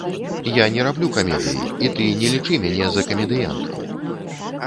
Я не раблю камедыі, і ты не лічы мяне за камедыянтку!